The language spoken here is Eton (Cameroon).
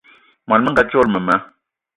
Món menga dzolo mema